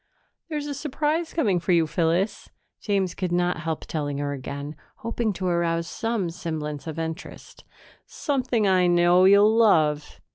"There's a surprise coming for you, Phyllis," James could not help telling her again, hoping to arouse some semblance of interest. "Something I know you'll love....